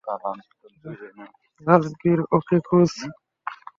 রাজবীর, ওকে খোঁজ।